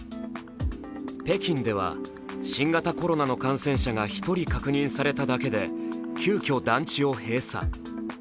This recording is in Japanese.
北京では新型コロナの感染者が１人確認されただけで急きょ団地を閉鎖。